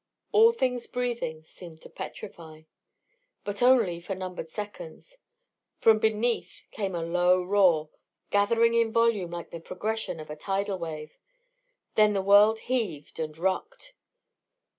All things breathing seemed to petrify. But only for numbered seconds. From beneath came a low roar, gathering in volume like the progression of a tidal wave; then the world heaved and rocked.